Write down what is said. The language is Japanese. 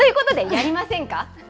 やりません。